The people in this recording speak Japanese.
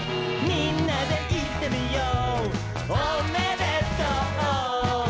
「みんなでいってみよう」